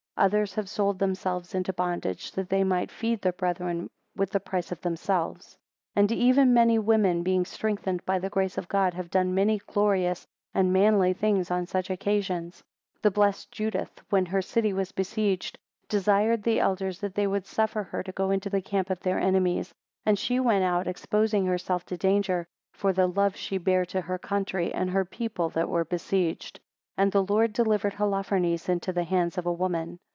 21 Others have sold themselves into bondage, that they might feed their brethren with the price of themselves. 22 And even many women, being strengthened by the grace of God, have done many glorious and manly things on such occasions. 23 The blessed Judith, when her city was besieged, desired the elders, that they would suffer her to go into the camp of their enemies; and she went out exposing herself to danger, for the love she bare to her country and her people that were besieged: and the Lord delivered Holofernes into the hands of a woman.